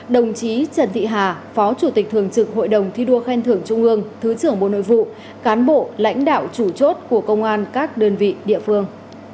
đồng chí trần thị hà phó chủ tịch thường trực hội đồng thi đua khen thưởng trung ương thứ trưởng bộ nội vụ cán bộ lãnh đạo chủ chốt của công an các đơn vị địa phương